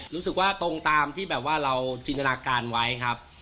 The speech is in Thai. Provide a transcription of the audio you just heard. รู้สึกว่าตรงตามที่แบบว่าเราจินตนาการไว้ครับ